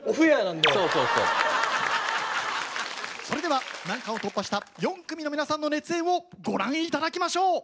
それでは難関を突破した４組の皆さんの熱演をご覧頂きましょう！